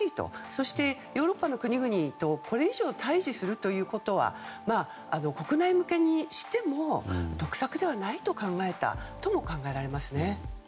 そして、ヨーロッパの国々とこれ以上対峙するということは国内向けにしても得策ではないと考えたとも考えられますね。